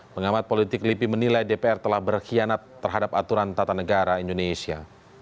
pengamat politik lipi menilai dpr telah berkhianat terhadap aturan tata negara indonesia